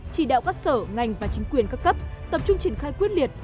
chỉ đạo các sở ngành và chính quyền các cấp tập trung triển khai quyết liệt